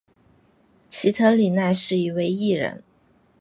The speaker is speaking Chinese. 齐藤里奈是一位艺人。